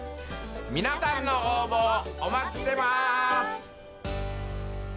皆さんの応募をお待ちしてまーす！